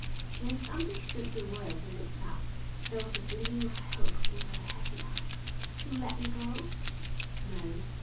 She misunderstood the words and looked up. There was a gleam of hope in her heavy eyes. "You'll let me go?" "No.